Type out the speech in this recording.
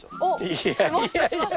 いやいやいや。